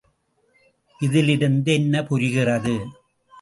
இதிலிருந்து என்ன புரிகிறது?